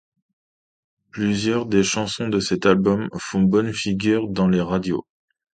Plusieurs des chansons de cet album font bonne figure dans les radios.